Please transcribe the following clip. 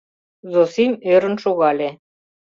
— Зосим ӧрын шогале.